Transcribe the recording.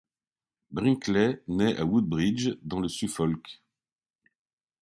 Brinkley naît à Woodbridge dans le Suffolk.